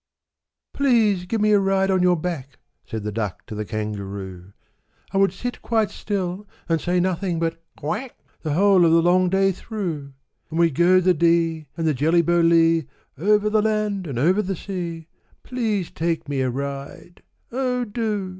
II. "Please give me a ride on your back," Said the Duck to the Kangaroo: "I would sit quite still, and say nothing but 'Quack' The whole of the long day through; And we 'd go the Dee, and the Jelly Bo Lee, Over the land, and over the sea: Please take me a ride! oh, do!"